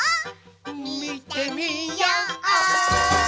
みてみよ！